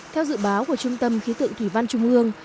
theo dự báo của trung tâm khí tượng thủy văn trung ương